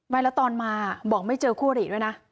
ไม่แล้วตอนมาบอกไม่เจอคู่อริด้วยนะ